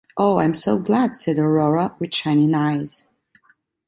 “Oh, I’m so glad,” said Aurora, with shining eyes.